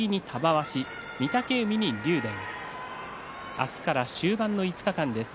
明日から終盤の５日間です。